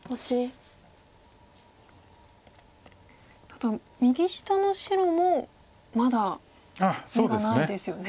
ただ右下の白もまだ眼がないですよね。